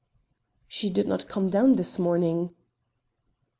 "She did not come down this morning."